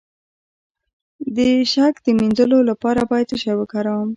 د شک د مینځلو لپاره باید څه شی وکاروم؟